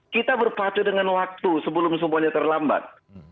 kita berpacu dengan waktu sebelum semuanya terlambat